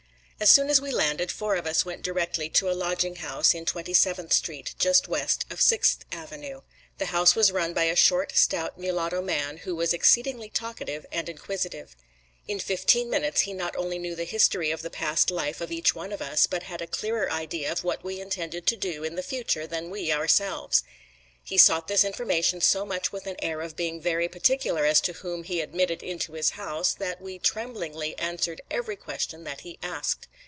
As soon as we landed, four of us went directly to a lodging house in Twenty seventh Street, just west of Sixth Avenue. The house was run by a short, stout mulatto man, who was exceedingly talkative and inquisitive. In fifteen minutes he not only knew the history of the past life of each one of us, but had a clearer idea of what we intended to do in the future than we ourselves. He sought this information so much with an air of being very particular as to whom he admitted into his house that we tremblingly answered every question that he asked.